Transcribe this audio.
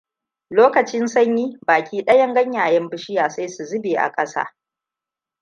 Lokacin sanyi baki ɗayan ganyayen bishiya sai su zube a ƙasa.